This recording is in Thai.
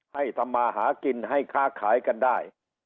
ทำมาหากินให้ค้าขายกันได้